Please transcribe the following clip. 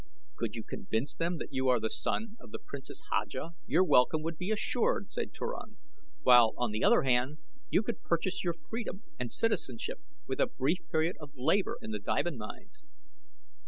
"Could you convince them that you are the son of the Princess Haja your welcome would be assured," said Turan; "while on the other hand you could purchase your freedom and citizenship with a brief period of labor in the diamond mines."